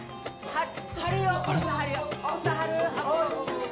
はい。